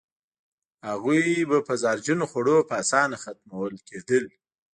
هغوی به په زهرجنو خوړو په اسانه ختمول کېدل.